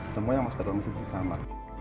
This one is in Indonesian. semua yang masuk ke dalam masjid itu sama